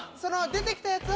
出て来たやつを。